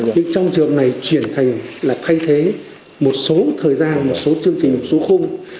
việc trong trường này chuyển thành là thay thế một số thời gian một số chương trình một số khung